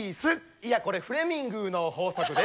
いやこれフレミングの法則です」